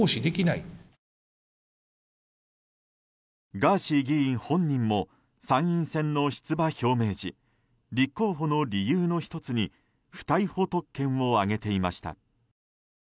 ガーシー議員本人も参院選の出馬表明時立候補の理由の１つに不逮捕特権を挙げていました。